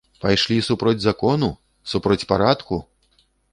Пайшлі супроць закону, супроць парадку?